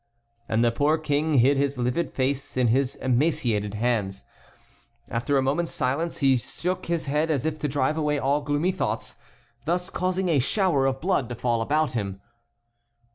And the poor King hid his livid face in his emaciated hands. After a moment's silence he shook his head as if to drive away all gloomy thoughts, thus causing a shower of blood to fall about him.